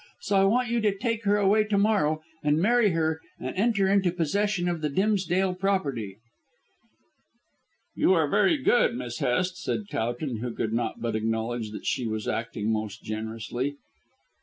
So I want you to take her away to morrow and marry her and enter into possession of the Dimsdale property." "You are very good, Miss Hest," said Towton, who could not but acknowledge that she was acting most generously.